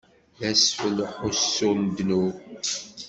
D asfel n uḥussu n ddnub.